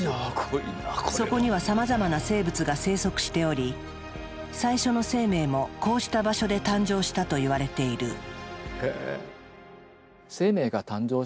そこにはさまざまな生物が生息しており最初の生命もこうした場所で誕生したと言われている。